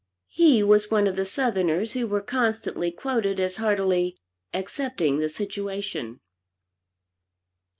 He was one of the Southerners who were constantly quoted as heartily "accepting the situation."